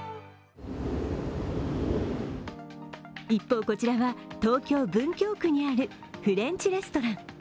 一方、こちらは、東京・文京区にあるフレンチレストラン。